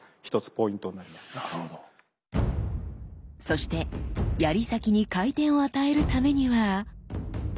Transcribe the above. そして槍先に回転を与えるためには。